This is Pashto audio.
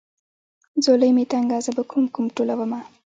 ځولۍ مې تنګه زه به کوم کوم ټولومه.